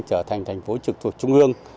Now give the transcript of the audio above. trở thành thành phố trực thuộc trung ương